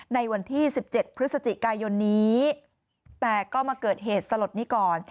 ในวันที่๑๗พฤศจิกายนนี้แต่ก็มาเกิดเหตุสลดนี้ก่อน